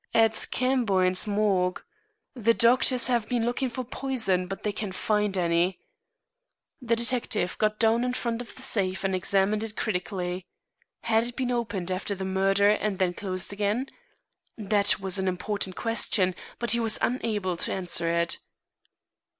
"At Camboin's morgue. The doctors have been looking for poison, but they can't find any." The detective got down in front of the safe and examined it critically. Had it been opened after the murder and then closed again? That was an important question, but he was unable to answer it.